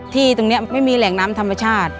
ที่ตรงนี้ไม่มีแหล่งน้ำธรรมชาติ